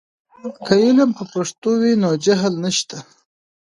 که علم په پښتو وي، نو جهل نشته.